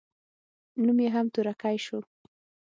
نوم يې هم تورکى سو.